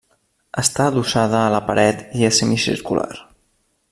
Està adossada a la paret i és semicircular.